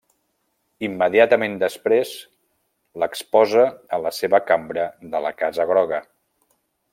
Immediatament després l'exposa a la seva cambra de la Casa Groga.